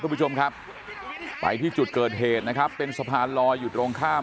คุณผู้ชมครับไปที่จุดเกิดเหตุนะครับเป็นสะพานลอยอยู่ตรงข้าม